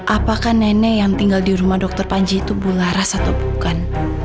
apakah nenek yang tinggal di rumah dr panji itu bularas atau bukan